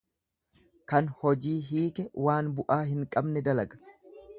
Kan hojii hiike waan bu'aa hin qabne dalaga.